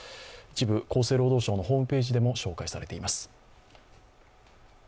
一部、厚生労働省のホームページでも紹介されています。